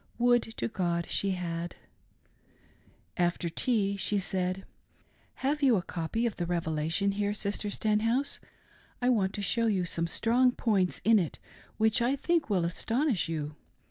Would, to God, she had. After tea, she said —" Have you a copy of the Revelation here. Sister Stenhouse .' I want to show you some strong points in it which I think will astonish you.